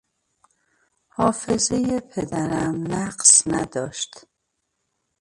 حافظهی پدرم نقص نداشت.